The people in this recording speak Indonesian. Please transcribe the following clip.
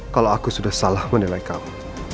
kalau aku sudah salah menilai kamu